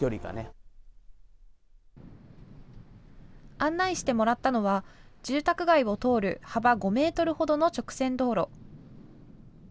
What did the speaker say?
案内してもらったのは住宅街を通る幅５メートルほどの直線道路。